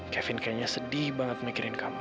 kevin kayaknya sedih banget mikirin kamu